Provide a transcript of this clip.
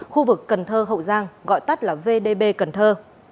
khu vực cần thơ hậu giang gọi tắt là vdb cần thơ